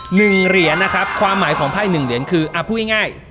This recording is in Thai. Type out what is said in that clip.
หนึ่งเหรียญนะครับความหมายของไพ่หนึ่งเหรียญคืออ่าพูดง่าย